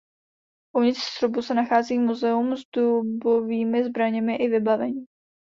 Uvnitř srubu se nachází muzeum s dobovými zbraněmi i vybavením.